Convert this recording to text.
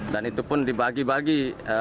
itu pun dibagi bagi